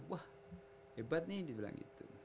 wah hebat nih dibilang itu